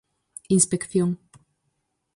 Inspección.